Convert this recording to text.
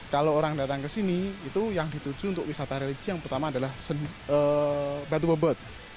kalau orang datang ke sini itu yang dituju untuk wisata religi yang pertama adalah batu bobot